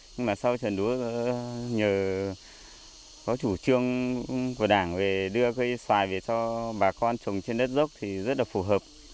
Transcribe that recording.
nhưng mà sau trận lũa nhờ có chủ trương của đảng về đưa cây xoài về cho bà con trồng trên đất dốc thì rất là phù hợp